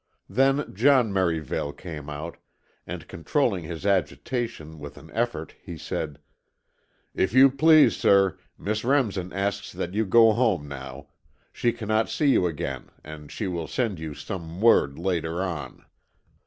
Then John Merivale came out and controlling his agitation with an effort, he said, "If you please, sir, Miss Remsen asks that you go home now. She cannot see you again and she will send you some word later on."